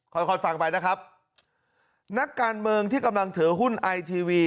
ค่อยค่อยฟังไปนะครับนักการเมืองที่กำลังถือหุ้นไอทีวี